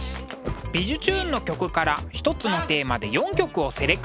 「びじゅチューン！」の曲から一つのテーマで４曲をセレクト。